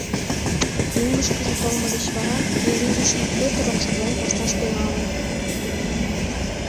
Мӧҥгышкыжӧ толмо деч вара пел ий гычын Пӧтыр окшаклен кошташ тӱҥалын.